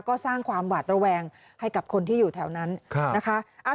ก็สร้างความหวาดระแวงให้กับคนที่อยู่แถวนั้นนะคะ